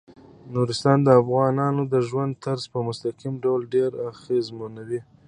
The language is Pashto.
نورستان د افغانانو د ژوند طرز په مستقیم ډول ډیر اغېزمنوي.